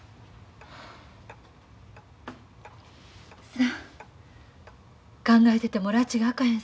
さあ考えててもらちがあかへん